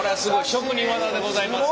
職人技でございますから。